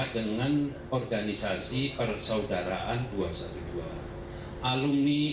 dengan organisasi persaudaraan dua ratus dua belas